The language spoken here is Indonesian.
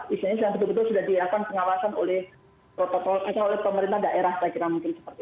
isinya yang betul betul sudah diakuan pengawasan oleh protokol maksudnya oleh pemerintah daerah saya kira mungkin seperti itu